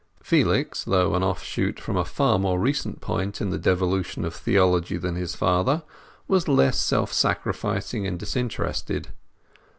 Felix, though an offshoot from a far more recent point in the devolution of theology than his father, was less self sacrificing and disinterested.